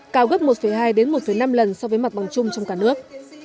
cao gấp một hai một năm lần so với mặt bằng chung trong cả nước